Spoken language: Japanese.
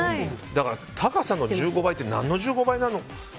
だから、高さの１５倍って何の１５倍なの？